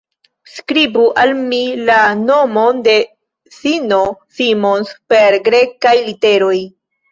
Skribu al mi la nomon de S-ino Simons per Grekaj literoj!